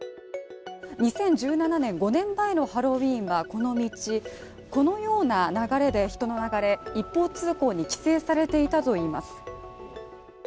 ２０１７年、５年前のハロウィーンはこの道、このような流れで人の流れ、一方通行に規制されていたといいます。